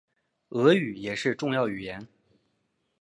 俄语也是重要语言。